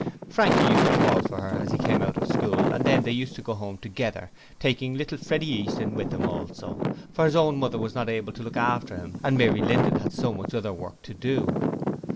Frankie used to call for her as he came out of school and then they used to go home together, taking little Freddie Easton with them also, for his own mother was not able to look after him and Mary Linden had so much other work to do.